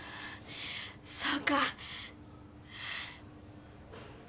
そうか。